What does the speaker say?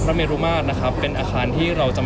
คุณต้องไปคุยกับทางเจ้าหน้าที่เขาหน่อย